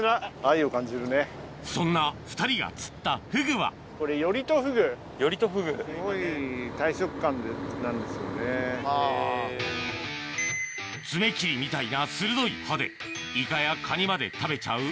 そんな２人が釣ったフグは爪切りみたいな鋭い歯でイカやカニまで食べちゃう